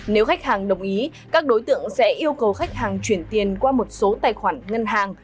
nếu khách hàng đồng ý các đối tượng sẽ yêu cầu khách hàng chuyển tiền qua một số tài khoản ngân hàng